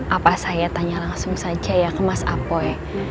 apa saya tanya langsung saja ya ke mas apoy